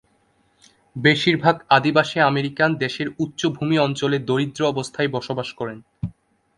বেশির ভাগ আদিবাসী আমেরিকান দেশের উচ্চভূমি অঞ্চলে দরিদ্র অবস্থায় বসবাস করেন।